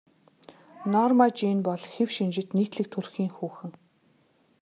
Норма Жин бол хэв шинжит нийтлэг төрхийн хүүхэн.